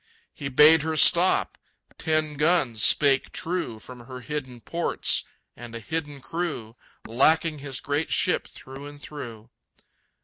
He bade her stop. Ten guns spake true From her hidden ports, and a hidden crew, Lacking his great ship through and through.